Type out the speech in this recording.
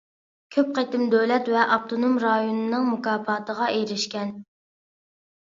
كۆپ قېتىم دۆلەت ۋە ئاپتونوم رايوننىڭ مۇكاپاتىغا ئېرىشكەن.